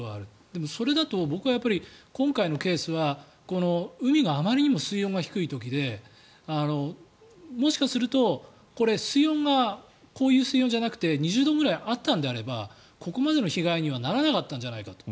でもそれだと僕は今回のケースは海があまりにも水温が低い時でもしかするとこれ、水温がこういう水温じゃなくて２０度ぐらいあったのであればここまでの被害にはならなかったんじゃないか。